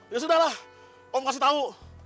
ya sudah lah om kasih tahu